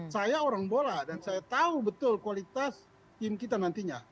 saya orang bola dan saya tahu betul kualitas tim kita nantinya